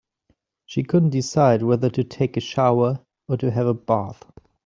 She couldn't decide whether to take a shower or to have a bath.